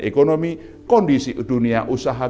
ekonomi kondisi dunia usaha